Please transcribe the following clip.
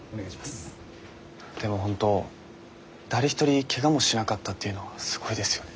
でも本当誰一人けがもしなかったっていうのはすごいですよね。